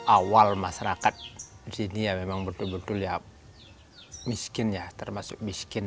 awal masyarakat di sini memang betul betul miskin termasuk miskin